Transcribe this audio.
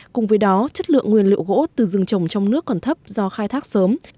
cùng với đó chất lượng nguyên liệu gỗ từ rừng trồng trong nước còn thấp do khai thác sớm